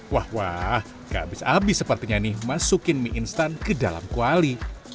satu dua tiga wah wah gak abis abis sepertinya nih masukin mie instan ke dalam kuali